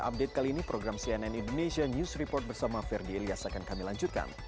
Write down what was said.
update kali ini program cnn indonesia news report bersama ferdi ilyas akan kami lanjutkan